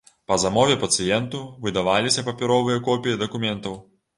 Па замове пацыенту выдаваліся папяровыя копіі дакументаў.